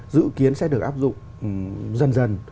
dự kiến sẽ được áp dụng dần dần